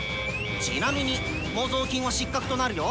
ちなみに模造品は失格となるよ！